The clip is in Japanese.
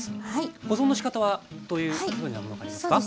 保存のしかたはどういうふうなものがありますか？